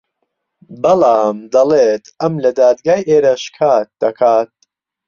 بەڵام دەڵێت ئەم لە دادگای ئێرە شکات دەکات